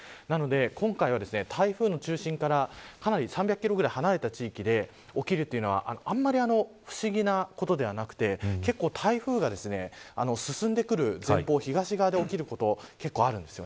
今回の台風の中心から３００キロほど離れた地域で竜巻が起きるというのはあんまり不思議なことではなく台風が進んでくる前方や東側で起きることがあります。